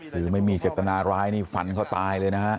คือไม่มีเจ็บแต่ละลายนี่ฝันเขาตายเลยนะ